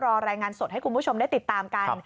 รายงานสดให้คุณผู้ชมได้ติดตามกัน